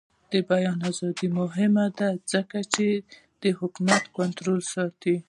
د بیان ازادي مهمه ده ځکه چې د حکومت کنټرول ساتي.